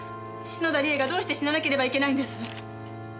篠田理恵がどうして死ななければいけないんです？